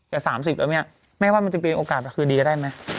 แต่๓๐แล้วเนี่ยแม่ว่ามันจะเป็นโอกาสคืนดีก็ได้ไหม